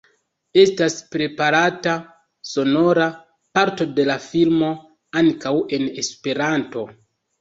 Estas preparata sonora parto de la filmo ankaŭ en Esperanto.